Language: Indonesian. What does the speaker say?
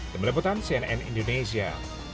demi rebutan cnn indonesia